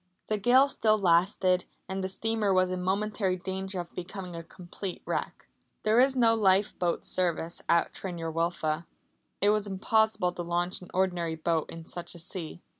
The gale still lasted, and the steamer was in momentary danger of becoming a complete wreck. There is no lifeboat service at Tryn yr Wylfa. It was impossible to launch an ordinary boat in such a sea.